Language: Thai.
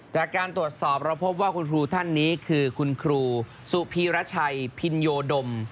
จากการตรวจสอบเราพบว่าคุณครูท่านนี้คือคุณครูสุพีรชัยพินโยดม